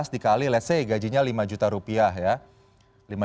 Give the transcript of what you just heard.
dua belas dikali let s say gajinya lima juta rupiah ya